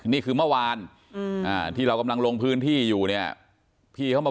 นี่คือเมื่อวานที่เรากำลังลงพื้นที่อยู่เนี่ยพี่เขามา